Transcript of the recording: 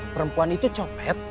perempuan itu copet